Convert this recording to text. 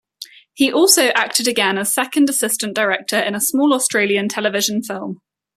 He also acted again as second assistant director in a small Australian television film.